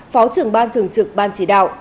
phó trưởng ban thường trực ban chỉ đạo